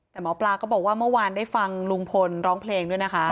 แต่หมอปลาก็บอกว่าเมื่อวานได้ฟังลุงพลร้องเพลงด้วยนะคะ